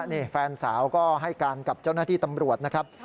นี่แฟนสาวก็ให้การกับเจ้าหน้าที่ตำรวจนะครับ